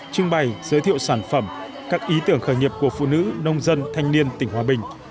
trưng bày giới thiệu sản phẩm các ý tưởng khởi nghiệp của phụ nữ nông dân thanh niên tỉnh hòa bình